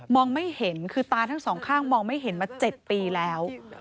ไม่เห็นคือตาทั้งสองข้างมองไม่เห็นมา๗ปีแล้ว